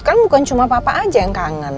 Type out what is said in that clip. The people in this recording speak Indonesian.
kan bukan cuma papa aja yang kangen